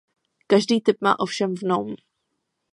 Každý typ má ovšem v nom.